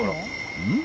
うん？